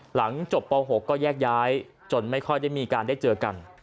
หลังจบป๖ก็แยกย้ายจนไม่ค่อยได้มีการได้เจอกัน